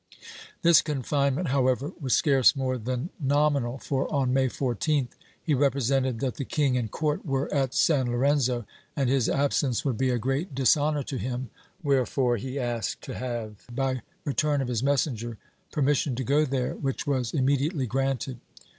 This confinement, however, was scarce more than nominal for, on May 14th, he repre sented that the king and court were at San Lorenzo, and his absence would be a great dishonor to him, wherefore he asked to have, by return of his messenger, permission to go there, which was immediately granted.